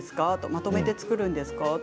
まとめて作るんですか？